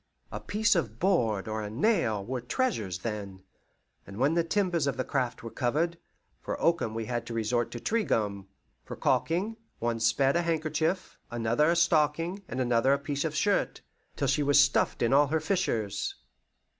A piece of board or a nail were treasures then, and when the timbers of the craft were covered, for oakum we had resort to tree gum. For caulking, one spared a handkerchief, another a stocking, and another a piece of shirt, till she was stuffed in all her fissures.